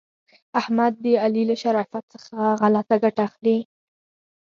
احمد د علي له شرافت څخه غلته ګټه اخلي.